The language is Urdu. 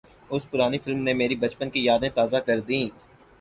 اُس پرانی فلم نے میری بچپن کی یادیں تازہ کردیں